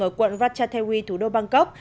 ở quận ratchathaiwi thủ đô bangkok